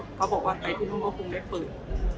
ใช่เค้าบอกว่าไปที่นู่นก็คงไม่เปิด